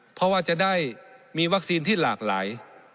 เพราะว่าจะได้มีวัคซีนที่หลากหลาย